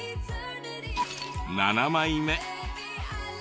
７枚目。